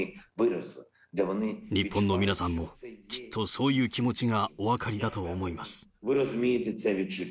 日本の皆さんも、きっとそういう気持ちがお分かりだと思います。